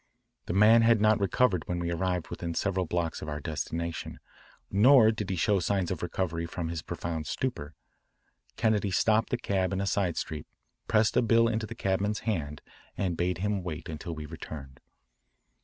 The man had not recovered when we arrived within several blocks of our destination, nor did he show signs of recovery from his profound stupor. Kennedy stopped the cab in a side street, pressed a bill into the cabman's hand, and bade him wait until we returned.